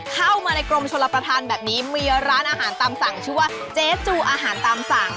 เข้ามาในกรมชลประธานแบบนี้มีร้านอาหารตามสั่งชื่อว่าเจ๊จูอาหารตามสั่ง